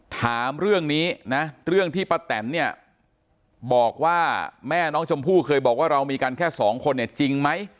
ถามเรื่องนี้นะเรื่องที่ป้าแตนเนี่ยบอกว่าแม่น้องชมพู่เคยบอกว่าเรามีกันแค่สองคนเนี่ยจริงไหม